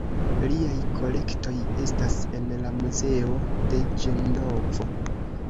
Liaj kolektoj estas en la muzeo de Ĝenovo.